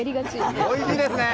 おいしいですね。